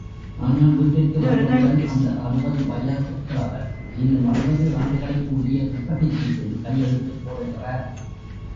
ஆனால் வீட்டிற்கு வந்தவுடன் அந்த அறுபது வயசுக் கிழவர் இன்னும் அறுபது ஆண்டுகளுக்குரிய குத்தகைச் சீட்டில் கையெழுத்துப் போடுகிறார்.